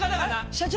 社長！？